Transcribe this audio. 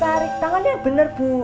tarik tangannya benar bu